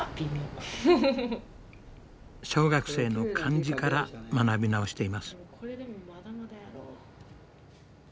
小学生の漢字から学び直しています。